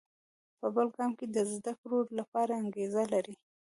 په بل ګام کې د زده کړو لپاره انګېزه لري.